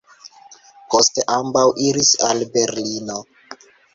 Poste ambaŭ iris al Berlino.